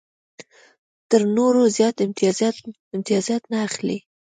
تر نورو زیات امتیازات نه اخلي.